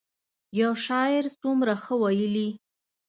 یو شاعر څومره ښه ویلي.